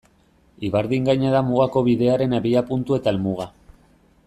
Ibardin gaina da Mugako Bidearen abiapuntu eta helmuga.